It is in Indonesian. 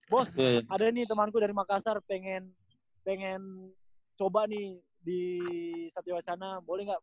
bos ada nih temanku dari makassar pengen pengen coba nih di kesatiawacana boleh gak